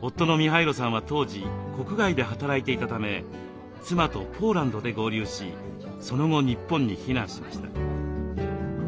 夫のミハイロさんは当時国外で働いていたため妻とポーランドで合流しその後日本に避難しました。